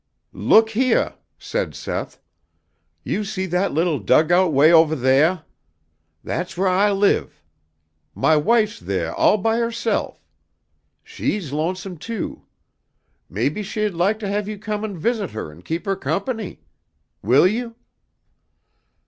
"Look heah," said Seth. "You see that little dugout 'way ovah theah? That's wheah I live. My wife's theah all by herself. She's lonesome, too. Maybe she'd laik to have you come and visit her and keep her company. Will you?"